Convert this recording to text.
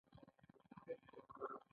نظري پوهه دوه مهمې برخې لري.